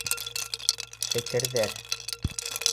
Фекерҙәр